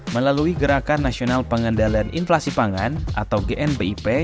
melalui gerakan nasional pengendalian inflasi pangan atau gnbip